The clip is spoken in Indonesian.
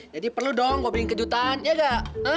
jadi perlu dong gue bawa kejutan ya gak